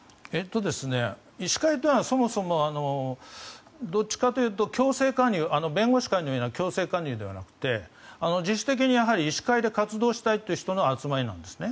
医師会というのはそもそもどちらかというと強制加入弁護士会のような強制加入ではなくて自主的に医師会で活動したいという人たちの集まりなんですね。